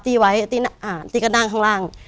ตีพี่ไว้ตีก็นั่งข้างล่าง